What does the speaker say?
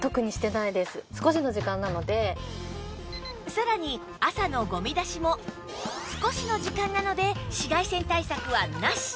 さらに朝のゴミ出しも少しの時間なので紫外線対策はなし